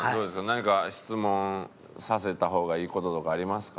何か質問させた方がいい事とかありますか？